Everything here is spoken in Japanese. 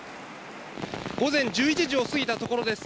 午前１１時を過ぎたところです。